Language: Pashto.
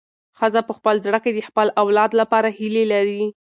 ښځه په خپل زړه کې د خپل اولاد لپاره هیلې لري.